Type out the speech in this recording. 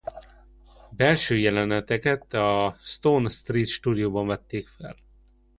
A belső jeleneteket a Stone Street Studiosban vették fel.